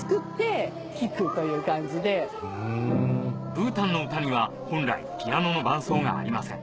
ブータンの歌には本来ピアノの伴奏がありません